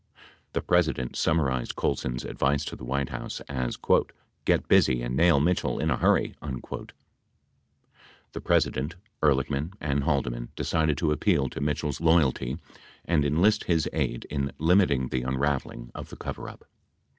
The President sum marized Colson's advice to the White House as "get busy and nail Mitchell in a hurry." 85 The President, Ehrlichman and Haldeman decided to appeal to Mitchell's loyalty and enlist his aid in limiting the unraveling of the coverup.